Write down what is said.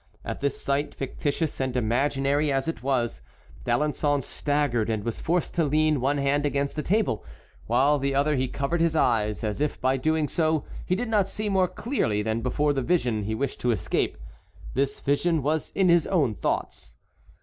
At this sight, fictitious and imaginary as it was, D'Alençon staggered and was forced to lean one hand against a table, while with the other he covered his eyes, as if by so doing he did not see more clearly than before the vision he wished to escape. This vision was in his own thoughts.